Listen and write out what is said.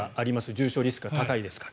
重症リスクが高いですから。